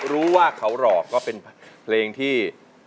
รู้ว่าเขาหลอกก็เป็นเพลงที่